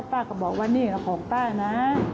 ป้าก็บอกว่านี่ก็ของป้านะ